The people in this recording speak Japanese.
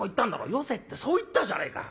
よせってそう言ったじゃねえか。